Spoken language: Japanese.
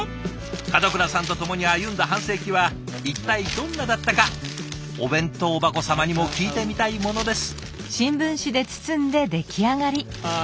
門倉さんと共に歩んだ半世紀は一体どんなだったかお弁当箱様にも聞いてみたいものです。